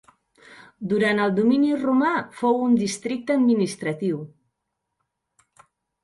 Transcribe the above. Durant el domini romà fou un districte administratiu.